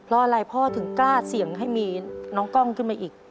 เพราะอะไรพ่อถึงกล้าเสี่ยงให้มีน้องกล้องขึ้นมาอีก